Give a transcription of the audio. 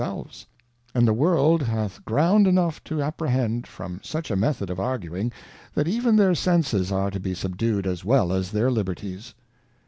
95 selves ; and the World hath ground enough to apprehend, from such a Method of arguing, that even their Senses are to be subdu'd as well as their Liberties.